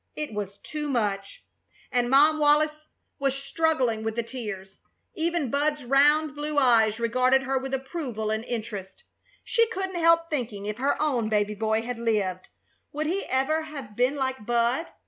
It was too much, and Mom Wallis was struggling with the tears. Even Bud's round, blue eyes regarded her with approval and interest. She couldn't help thinking, if her own baby boy had lived, would he ever have been like Bud?